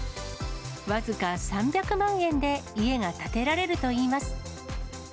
僅か３００万円で家が建てられるといいます。